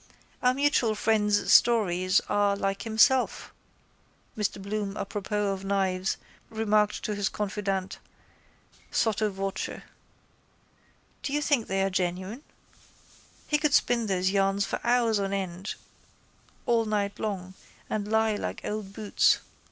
—Our mutual friend's stories are like himself, Mr Bloom apropos of knives remarked to his confidante sotto voce. Do you think they are genuine? He could spin those yarns for hours on end all night long and lie like old boots.